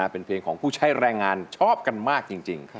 เป็นเพลงของผู้ใช้แรงงานชอบกันมากจริง